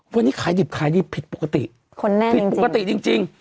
วันนี้ขายดิบพิษปกติพิษปกติจริง